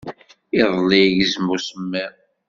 Iḍelli igezzem usemmiḍ.